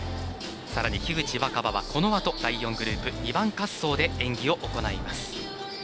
さらに樋口新葉はこのあと第４グループ２番滑走で演技を行います。